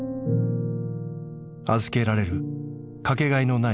預けられるかけがえのない命。